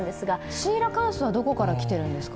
シーラカンスはどこから来てるんですか？